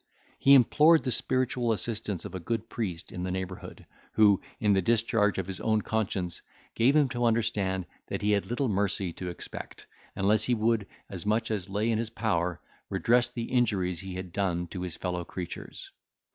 He implored the spiritual assistance of a good priest in the neighbourhood, who, in the discharge of his own conscience, gave him to understand that he had little mercy to expect, unless he would, as much as lay in his power, redress the injuries he had done to his fellow creatures.